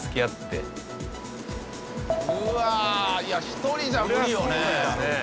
いや１人じゃ無理よね。